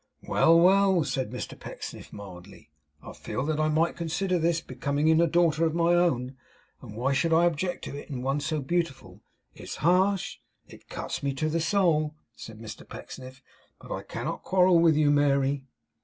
'Well, well!' said Mr Pecksniff, mildly, 'I feel that I might consider this becoming in a daughter of my own, and why should I object to it in one so beautiful! It's harsh. It cuts me to the soul,' said Mr Pecksniff; 'but I cannot quarrel with you, Mary.